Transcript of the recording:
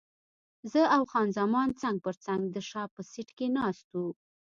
زه او خان زمان څنګ پر څنګ د شا په سیټ کې ناست وو.